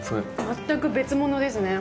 全く別物ですね。